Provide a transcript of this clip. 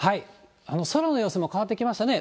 空の様子も変わってきましたね。